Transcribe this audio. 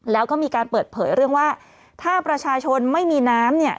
แล้วก็มีการเปิดเผยเรื่องว่าถ้าประชาชนไม่มีน้ำเนี่ย